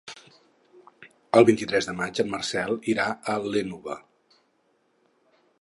El vint-i-tres de maig en Marcel irà a l'Énova.